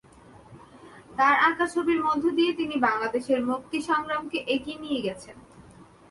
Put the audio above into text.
তাঁর আঁকা ছবির মধ্য দিয়ে তিনি বাংলাদেশের মুক্তিসংগ্রামকে এগিয়ে নিয়ে গেছেন।